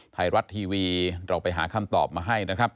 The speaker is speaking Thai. ไทยรัฐทีวีเราไปหาคำตอบมาให้นะครับ